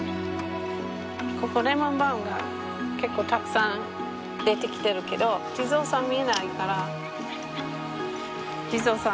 ここレモンバームが結構たくさん出てきてるけど地蔵さん見えないから地蔵さん